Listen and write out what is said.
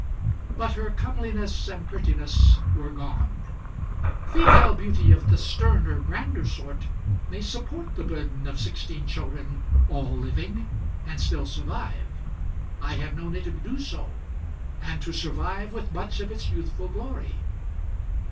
But her comeliness and prettiness were gone. Female beauty of the sterner, grander sort may support the burden of sixteen children, all living, and still survive. I have known it to do so, and to survive with much of its youthful glory.